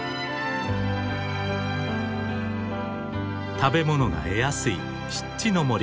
食べ物が得やすい湿地の森。